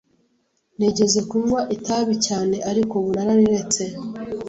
Nigeze kunywa itabi cyane, ariko ubu nararetse.